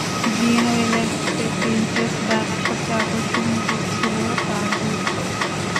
গ্রিনওয়েলের মতে, প্রিন্সেস ডায়ানার সবচেয়ে আকর্ষণীয় দিক ছিল তাঁর দুই চোখ।